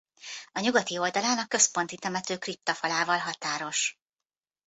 A nyugati oldalán a Központi temető kriptafalával határos.